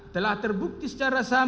telah terbukti secara saham